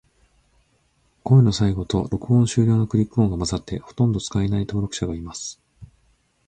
声の最後と、録音終了のクリック音が混ざって、ほとんど使えない登録者がいます。